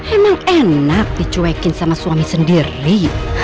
emang enak dicuekin sama suami sendiri